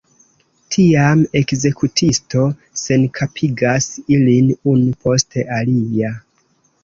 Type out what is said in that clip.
Tiam ekzekutisto senkapigas ilin unu post alia.